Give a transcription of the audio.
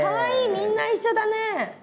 みんな一緒だね！